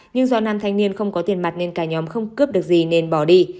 nhưng do nam thanh niên không có tiền mặt nên cả nhóm không cướp được gì nên bỏ đi